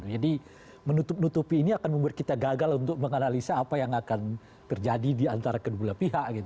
jadi menutup nutupi ini akan membuat kita gagal untuk menganalisa apa yang akan terjadi di antara kedua pihak